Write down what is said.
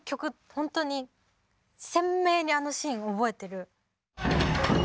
本当に鮮明にあのシーン覚えてる。